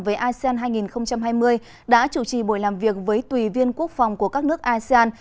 về asean hai nghìn hai mươi đã chủ trì buổi làm việc với tùy viên quốc phòng của các nước asean